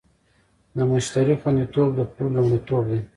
د مشتری خوندیتوب د پلور لومړیتوب دی.